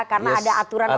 karena ada aturan organisasi